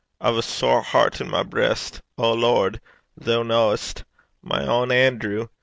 I've a sair hert i' my breist, O Lord! thoo knowest. My ain Anerew!